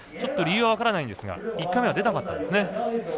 理由は分からないんですが１回目は出なかったんですね。